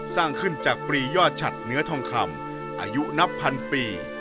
สร้างขึ้นจากปรียอดฉัดเนื้อทองคำอายุนับพันปี